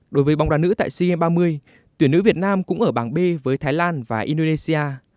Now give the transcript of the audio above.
đối với bóng đá nữ tại sea games ba mươi tuyển nữ việt nam cũng ở bảng b với thái lan và indonesia